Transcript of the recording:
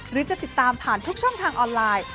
หรือจะติดตามผ่านทุกช่องทางออนไลน์